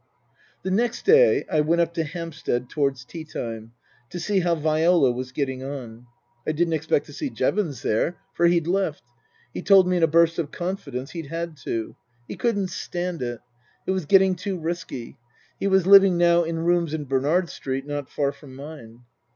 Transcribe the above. The next day I went up to Hampstead towards tea time, to see how Viola was getting on. I didn't expect to see Jevons there, for he'd left. He told me in a burst of confidence he'd had to. He couldn't stand it. It was getting too risky. He was living now in rooms in Bernard Street, not far from mine.